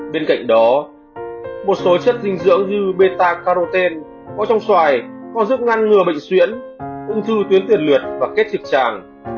bên cạnh đó một số chất dinh dưỡng như meta caraten có trong xoài còn giúp ngăn ngừa bệnh xuyễn ung thư tuyến tiền lượt và kết trực tràng